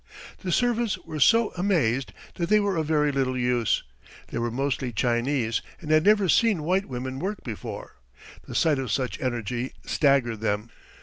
The servants were so amazed that they were of very little use. They were mostly Chinese, and had never seen white women work before. The sight of such energy staggered them.